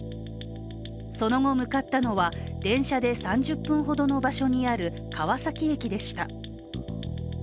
その後向かったのは、電車で３０分ほどの場所にある川崎駅でした。